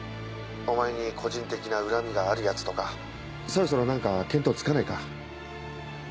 お前に個人的な恨みがあるヤツとかそろそろ何か見当付かないか？